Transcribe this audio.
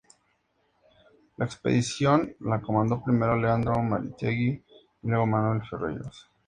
La expedición la comandó primero Leandro Mariátegui, y luego Manuel Ferreyros.